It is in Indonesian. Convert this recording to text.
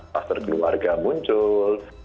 pas terkeluarga muncul